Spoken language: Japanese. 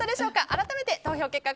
改めて投票結果